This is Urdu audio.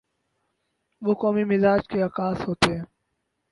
وہ قومی مزاج کے عکاس ہوتے ہیں۔